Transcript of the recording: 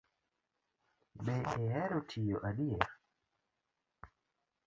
Be ihero tiyo adier?